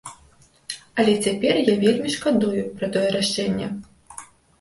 Але цяпер я вельмі шкадую пра тое рашэнне.